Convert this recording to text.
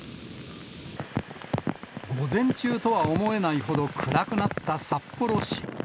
午前中とは思えないほど暗くなった札幌市。